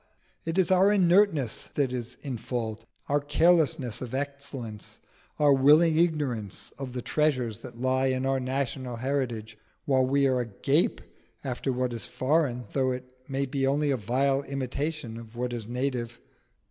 it is our inertness that is in fault, our carelessness of excellence, our willing ignorance of the treasures that lie in our national heritage, while we are agape after what is foreign, though it may be only a vile imitation of what is native.